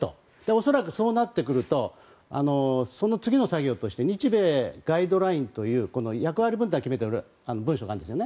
恐らくそうなってくるとその次の作業として日米ガイドラインという役割分担を決めている文書があるんですよね。